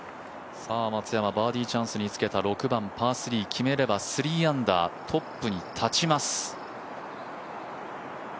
松山、バーディーチャンスにつけた６番パー３、決めれば３アンダートップに立ちます。